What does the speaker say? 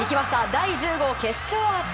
第１０号決勝アーチ。